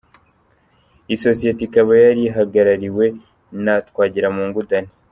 Iyi sosiyete ikaba yari ihagarariwe na Twagiramungu Danny.